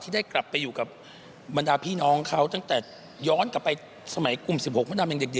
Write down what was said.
ที่ได้กลับไปอยู่กับมดดำพี่น้องเขาตั้งแต่ที่ย้อนกลับไปหรือกลุ่มศิษย์สอง